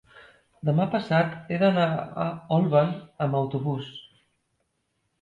demà passat he d'anar a Olvan amb autobús.